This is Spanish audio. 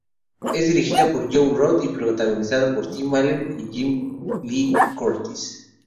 Está dirigida por Joe Roth y protagonizada por Tim Allen y Jamie Lee Curtis.